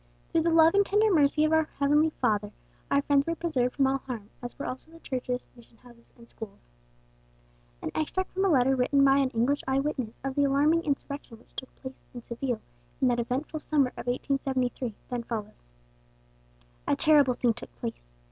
Through the love and tender mercy of our Heavenly Father, our friends were preserved from all harm, as were also the churches, mission houses, and schools." An extract from a letter written by an English eye witness of the alarming insurrection which took place in Seville in that eventful summer of 1873 then follows. "A terrible scene took place.